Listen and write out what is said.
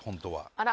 あら！